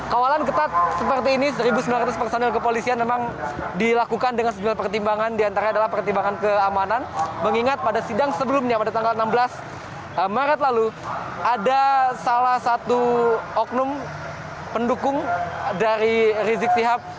kawalan ketat seperti ini satu sembilan ratus personil kepolisian memang dilakukan dengan sejumlah pertimbangan diantara adalah pertimbangan keamanan mengingat pada sidang sebelumnya pada tanggal enam belas maret lalu ada salah satu oknum pendukung dari rizik sihab